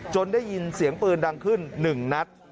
ได้ยินเสียงปืนดังขึ้น๑นัด